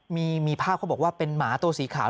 มีภาพเขาบอกว่าเป็นหมาตัวสีขาว